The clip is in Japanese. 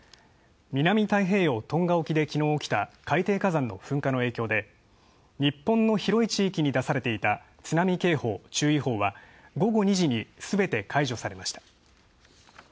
南大西洋・トンガ沖で昨日起きた海底火山の噴火の影響で、日本の広い地域に出されていた、津波警報・注意報は午後２時に、すべて解除されました。